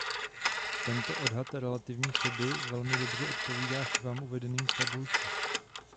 Tento odhad relativní chyby velmi dobře odpovídá chybám uvedeným v tabulce.